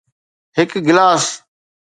هڪ گلاس